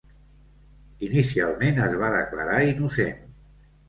Inicialment es va declarar innocent.